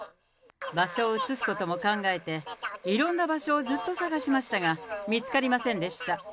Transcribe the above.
場所を移すことも考えて、いろんな場所をずっと探しましたが、見つかりませんでした。